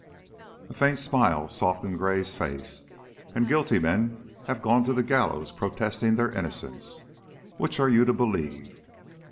A faint smile softened Gray's face. "And guilty men have gone to the gallows protesting their innocence. Which are you to believe?